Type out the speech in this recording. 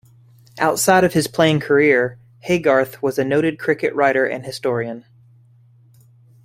Outside of his playing career, Haygarth was a noted cricket writer and historian.